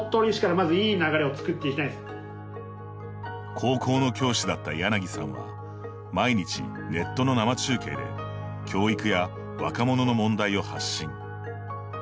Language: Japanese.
高校の教師だった柳さんは毎日、ネットの生中継で教育や若者の問題を発信。